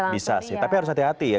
bisa sih tapi harus hati hati ya